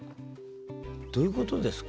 どういうことですか？